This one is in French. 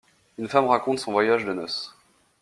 Une femme raconte son voyage de noce.